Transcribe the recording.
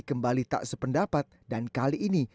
kembali tak sependapat dan kali ini